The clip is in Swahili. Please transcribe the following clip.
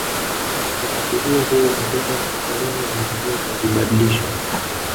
Wakati huo huo bendera ya kikoloni ya Uingereza ilibadilishwa